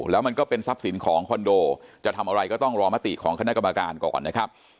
แล้วมันก็เป็นทรัพย์สินของคอนโดจะทำอะไรก็ต้องรอมติของคณะกรรมการก่อนนะครับ